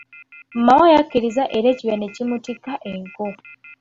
Maawa yakkiriza era ekibira ne kimutikka enku.